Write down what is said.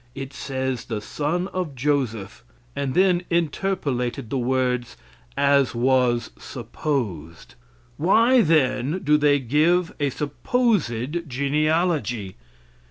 It says the son of Joseph, and then interpolated the words "as was supposed." Why, then, do they give a supposed genealogy.